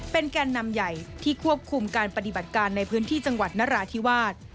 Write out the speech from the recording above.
แกนนำใหญ่ที่ควบคุมการปฏิบัติการในพื้นที่จังหวัดนราธิวาส